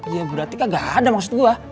ya berarti kagak ada maksud gue